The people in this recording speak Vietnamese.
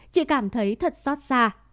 chị cảm thấy thật xót xa